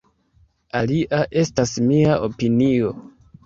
Alia estas mia opinio.